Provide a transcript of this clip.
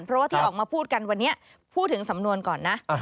เพราะว่าที่ออกมาพูดกันวันนี้พูดถึงสำนวนก่อนนะ